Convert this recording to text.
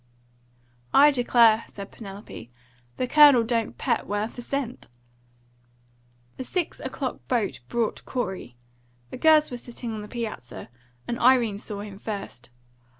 "I declare," said Penelope, "the Colonel don't pet worth a cent." The six o'clock boat brought Corey. The girls were sitting on the piazza, and Irene saw him first.